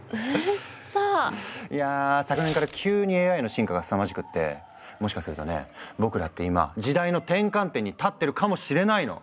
いや昨年から急にＡＩの進化がすさまじくってもしかするとね僕らって今時代の転換点に立ってるかもしれないの。